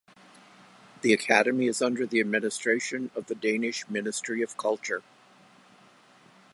The academy is under the administration of the Danish Ministry of Culture.